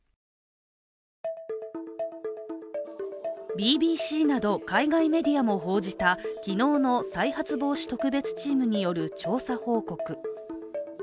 ＢＢＣなど、海外メディアも報じた昨日の再発防止特別チームによる調査報告。